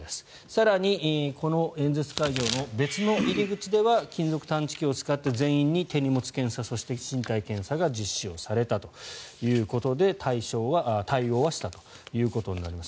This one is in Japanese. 更にこの演説会場の別の入り口では金属探知機を使って全員に手荷物検査そして身体検査が実施されたということで対応はしたということになります。